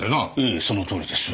ええそのとおりです。